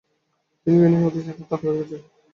তিনি বিভিন্ন প্রতিষ্ঠানে দান করে গেছেন।